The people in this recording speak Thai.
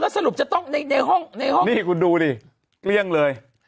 สรุปจะต้องในห้องในห้องนี่คุณดูดิเกลี้ยงเลย